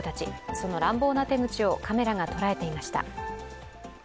その乱暴な手口をカメラが捉えていました。